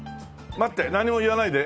待って何も言わないで！